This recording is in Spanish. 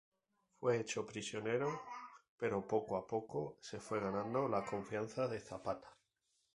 Fue hecho prisionero pero poco a poco se fue ganando la confianza de Zapata.